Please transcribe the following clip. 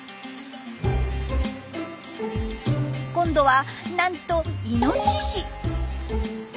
今度はなんとイノシシ！